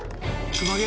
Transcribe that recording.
熊毛。